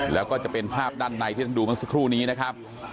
แล้วก็จะเป็นภาพด้านในที่ท่านดูเมื่อสักครู่นี้นะครับ